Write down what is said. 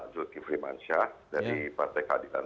juti frimansyah dari partai kadikan